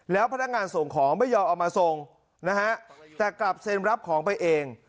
แล้วพนักงานส่งของไม่ยอมเอามาส่งนะฮะแต่กลับเซ็นรับของไปเอง